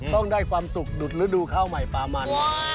ต้องได้ความสุขดุดฤดูข้าวใหม่ปลามัน